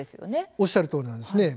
おっしゃるとおりです。